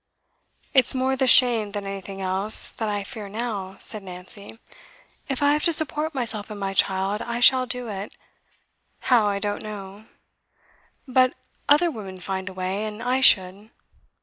'It's more the shame than anything else, that I fear now,' said Nancy. 'If I have to support myself and my child, I shall do it. How, I don't know; but other women find a way, and I should.